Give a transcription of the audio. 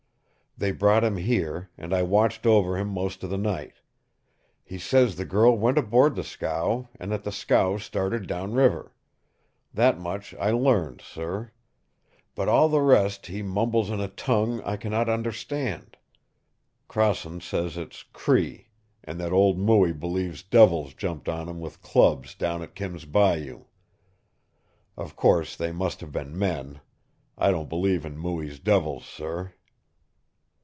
They brought him here, and I watched over him most of the night. He says the girl went aboard the scow and that the scow started down river. That much I learned, sir. But all the rest he mumbles in a tongue I can not understand. Crossen says it's Cree, and that old Mooie believes devils jumped on him with clubs down at Kim's Bayou. Of course they must have been men. I don't believe in Mooie's devils, sir."